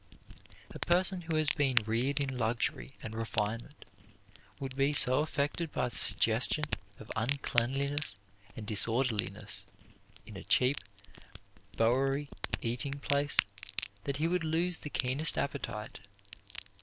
A person who has been reared in luxury and refinement would be so affected by the suggestion of uncleanliness and disorderliness in a cheap Bowery eating place that he would lose the keenest appetite.